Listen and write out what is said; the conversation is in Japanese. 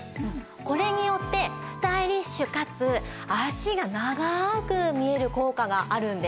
これによってスタイリッシュかつ脚が長く見える効果があるんです。